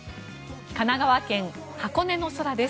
神奈川県箱根の空です。